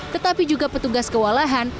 tetapi juga petugas kewalahan